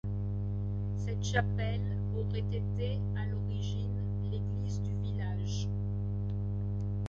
Cette chapelle aurait été à l'origine l'église du village.